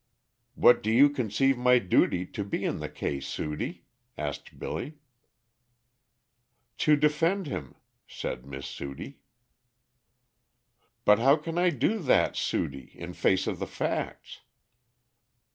"What do you conceive my duty to be in the case, Sudie?" asked Billy. "To defend him," said Miss Sudie. "But how can I do that, Sudie, in face of the facts?"